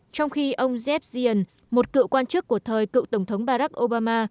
trong khi ông jeff zients một cựu quan chức của thời cựu tổng thống barack obama